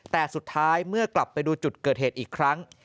แต่สุดท้ายเมื่อกลับไปดูจุดเกิดเหตุอีกครั้ง